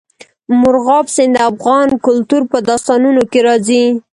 مورغاب سیند د افغان کلتور په داستانونو کې راځي.